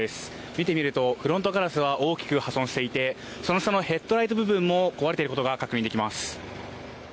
見てみるとフロントガラスが大きく破損していてその下のヘッドライト部分も壊れていることが確認できます。